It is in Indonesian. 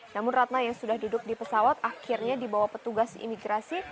namun ratna yang sudah duduk di pesawat akhirnya dibawa petugas imigrasi